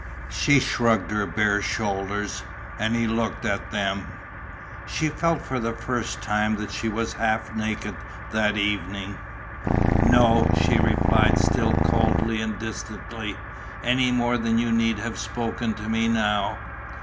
She shrugged her bare shoulders; and he looked at them. She felt for the first time that she was half naked that evening. "No," she replied, still coldly and distantly. "Any more than you need have spoken to me now."